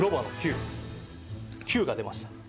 ９が出ました